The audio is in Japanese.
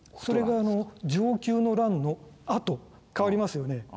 それが承久の乱のあと変わりますよね。